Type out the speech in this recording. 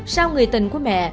sao người tình của mẹ